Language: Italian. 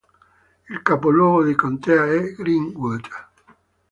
Il capoluogo di contea è Greenwood.